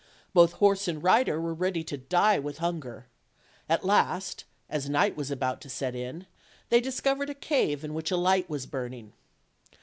Both horse and rider were ready to die with hunger; at last, as night was about to set in, they discovered a cave in which a light was burning.